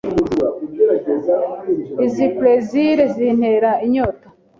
Izi przel zintera inyota.